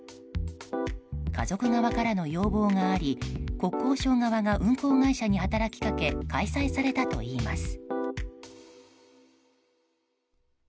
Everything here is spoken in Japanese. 家族側からの要望があり国交省側が運航会社に働きかけ開催されたといいます。